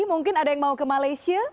mungkin ada yang mau ke malaysia